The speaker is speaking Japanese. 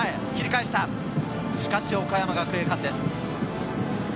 しかし、岡山学芸館です。